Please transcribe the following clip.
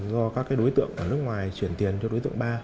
do các đối tượng ở nước ngoài chuyển tiền cho đối tượng ba